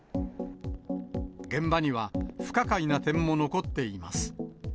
現場には、不可解な点も残っています。